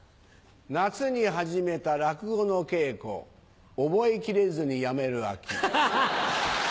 夏に始めた落語の稽古覚えきれずにやめる秋。